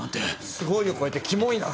すごいを超えてキモいな。